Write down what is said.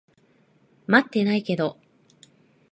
持ってないけど。